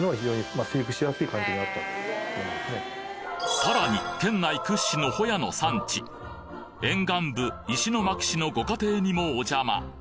さらに県内屈指のホヤの産地沿岸部石巻市のご家庭にもお邪魔